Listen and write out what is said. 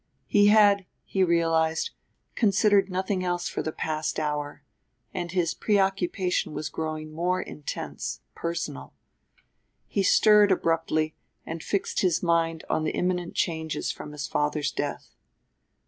He had, he realized, considered nothing else for the past hour, and his preoccupation was growing more intense, personal. He stirred abruptly, and fixed his mind on the imminent changes from his father's death.